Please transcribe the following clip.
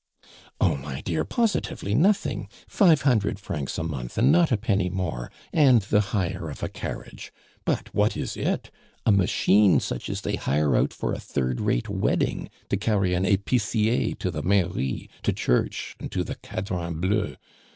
"Oh, my dear, positively nothing. Five hundred francs a month and not a penny more, and the hire of a carriage. But what is it? A machine such as they hire out for a third rate wedding to carry an epicier to the Mairie, to Church, and to the Cadran bleu.